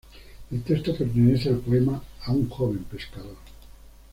El texto pertenece al poema "A un joven pescador".